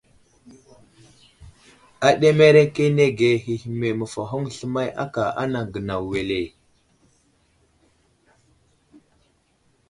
Aɗemerekenege hehme məfahoŋ sləmay aka anaŋ gənaw wele ?